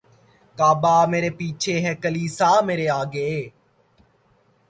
کعبہ مرے پیچھے ہے کلیسا مرے آگے